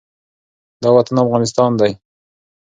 دا وطن افغانستان دی،